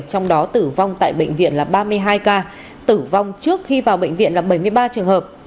trong đó tử vong tại bệnh viện là ba mươi hai ca tử vong trước khi vào bệnh viện là bảy mươi ba trường hợp